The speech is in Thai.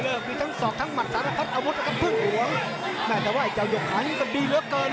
มีทั้งสอกทั้งหมัดสารพัดอาวุธกับพื้นห่วง